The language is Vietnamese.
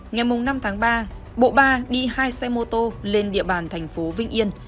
ngày năm tháng ba bộ ba đi hai xe mô tô lên địa bàn thành phố vinh yên